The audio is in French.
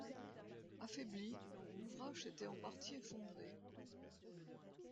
Affaibli, l'ouvrage s'était en partie effondré.